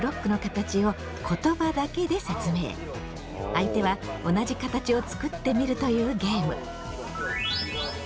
相手は同じ形を作ってみるというゲーム。